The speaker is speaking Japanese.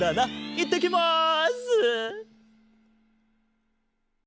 いってきます！